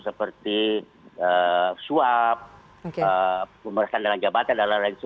seperti suap pemeriksaan dalam jabatan dll